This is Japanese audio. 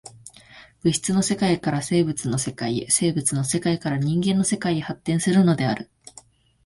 物質の世界から生物の世界へ、生物の世界から人間の世界へ発展するのである。